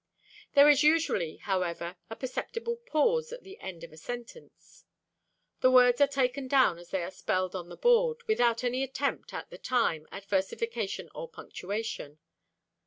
There is usually, however, a perceptible pause at the end of a sentence. The words are taken down as they are spelled on the board, without any attempt, at the time, at versification or punctuation.